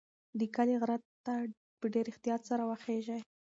د کلي غره ته په ډېر احتیاط سره وخیژئ.